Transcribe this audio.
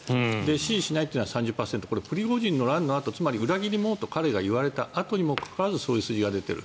支持しないのが３０％これはプリゴジン氏の乱のあとつまり裏切り者と彼が言われたあとにもかかわらずそういう数字が出ている。